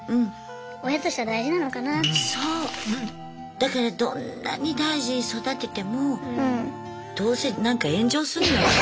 だからどんなに大事に育ててもどうせなんか炎上するんだから。